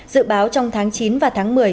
dự báo trong tháng chín và tháng một mươi